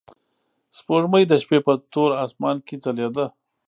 سپوږمۍ د شپې په تور اسمان کې ځلېده.